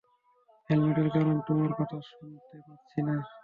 হেলমেটের কারণে তোমার কথা শুনতে পাচ্ছি না।